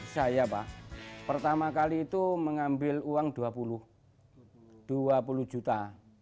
saya pak pertama kali itu mengambil uang dua puluh juta